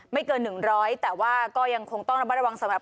ไม่เกินหนึ่งร้อยแต่ว่าก็ยังคงต้องระวังสำหรับ